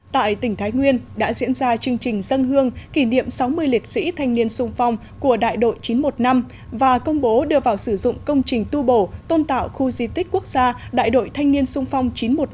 tại tỉnh thái nguyên đã diễn ra chương trình dân hương kỷ niệm sáu mươi liệt sĩ thanh niên sung phong của đại đội chín trăm một mươi năm và công bố đưa vào sử dụng công trình tu bổ tôn tạo khu di tích quốc gia đại đội thanh niên sung phong chín trăm một mươi năm